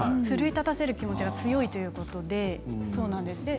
奮い立たせる気持ちが強いということです。